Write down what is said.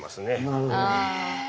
なるほど。